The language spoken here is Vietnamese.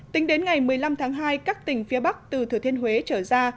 tính đến ngày một mươi năm tháng hai các tỉnh phía bắc từ thừa thiên huế trở ra